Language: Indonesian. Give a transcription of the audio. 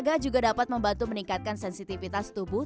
berolahraga juga dapat membantu meningkatkan sensitivitas darah